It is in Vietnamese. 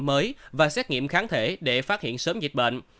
mới và xét nghiệm kháng thể để phát hiện sớm dịch bệnh